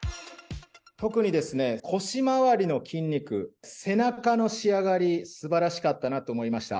特にですね、腰回りの筋肉、背中の仕上がり、すばらしかったなと思いました。